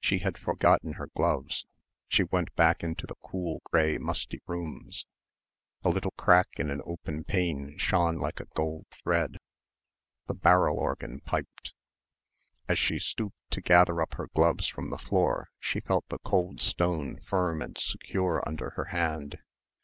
She had forgotten her gloves. She went back into the cool grey musty rooms. A little crack in an upper pane shone like a gold thread. The barrel organ piped. As she stooped to gather up her gloves from the floor she felt the cold stone firm and secure under her hand.